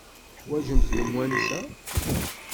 Teḥwajemt lemwansa?